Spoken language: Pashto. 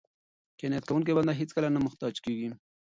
قناعت کوونکی بنده هېڅکله نه محتاج کیږي.